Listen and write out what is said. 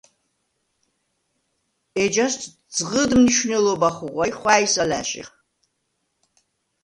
ეჯას ძღჷდ მნიშუ̂ნელობა ხუღუ̂ა ი ხუ̂ა̈ჲს ალა̄̈შიხ.